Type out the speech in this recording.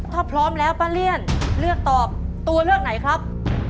ถ้าพร้อมแล้วป้าเลี่ยนเลือกตอบตัวเลือกไหนครับ